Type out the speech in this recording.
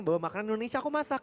bawa makanan indonesia aku masak